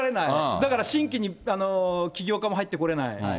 だから新規に起業家も入ってこれない。